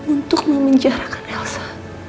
untuk memenjarakan elsa